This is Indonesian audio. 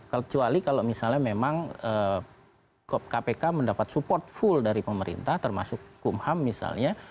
kecuali kalau misalnya memang kpk mendapat support full dari pemerintah termasuk kumham misalnya